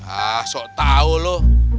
ah sok tau lu